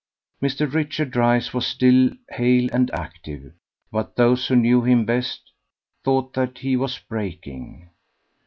Mr. Richard Dryce was still hale and active; but those who knew him best, thought that he was breaking.